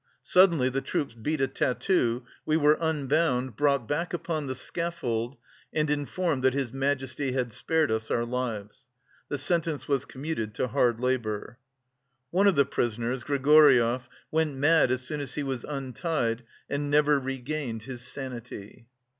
Suddenly the troops beat a tattoo, we were unbound, brought back upon the scaffold, and informed that his Majesty had spared us our lives." The sentence was commuted to hard labour. One of the prisoners, Grigoryev, went mad as soon as he was untied, and never regained his sanity.